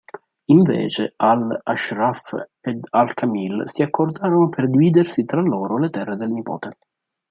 Invece, Al-Ashraf ed Al-Kamil si accordarono per dividersi tra loro le terre del nipote.